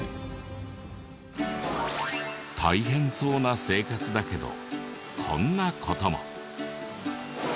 大変そうな生活だけどこんな事も。